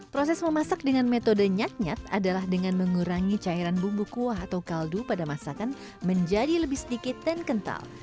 proses memasak dengan metode nyak nyat adalah dengan mengurangi cairan bumbu kuah atau kaldu pada masakan menjadi lebih sedikit dan kental